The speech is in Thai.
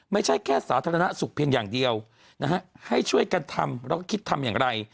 ไม่ใช่แค่สาธารณสุขเพียงอย่างเดียวนะฮะให้ช่วยกันทำแล้วก็คิดทำอย่างไร